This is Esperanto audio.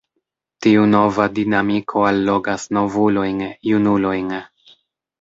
Tiu nova dinamiko allogas novulojn; junulojn.